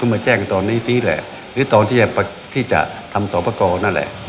ก็มาแจ้งตอนนี้สิแหละหรือตอนที่จะทำสอปกรณ์นั่นแหละ